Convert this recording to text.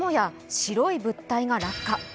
白い物体が落下。